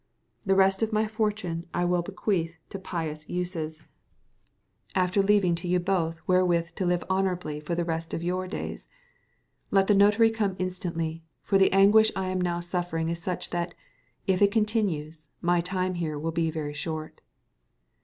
The rest of my fortune I will bequeath to pious uses, after leaving to you both wherewith to live honourably for the rest of your days. Let the notary come instantly, for the anguish I am now suffering is such that, if it continues, my time here will be very short."